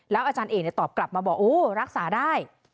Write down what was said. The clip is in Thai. อาจารย์เอกตอบกลับมาบอกโอ้รักษาได้